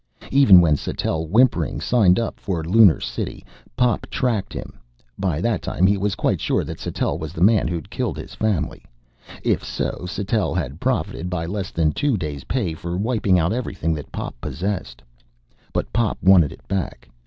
Even when Sattell whimpering signed up for Lunar City, Pop tracked him. By that time he was quite sure that Sattell was the man who'd killed his family. If so, Sattell had profited by less than two days' pay for wiping out everything that Pop possessed. But Pop wanted it back.